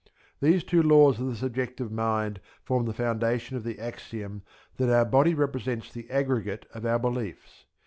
These two laws of the subjective mind form the foundation of the axiom that our body represents the aggregate of our beliefs.